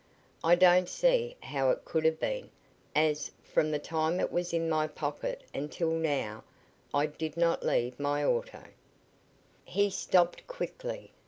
"I don't see how it could have been, as, from the time it was in my pocket until now, I did not leave my auto " He stopped quickly.